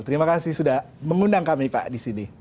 terima kasih sudah mengundang kami pak di sini